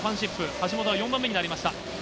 橋本は４番目になりました。